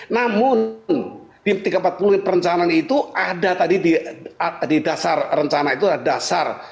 namun di tiga ratus empat puluh perencanaan itu ada tadi di dasar rencana itu ada dasar